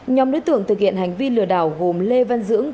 nhóm đối tượng thực hiện hành vi lừa đảo gồm lê văn dưỡng